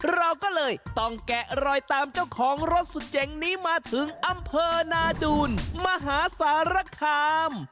เราก็เลยต้องแกะรอยตามเจ้าของรถสุดเจ๋งนี้มาถึงอำเภอนาดูลมหาสารคาม